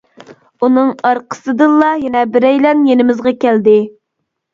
ئۇنىڭ ئارقىسىدىنلا يەنە بىرەيلەن يېنىمىزغا كەلدى.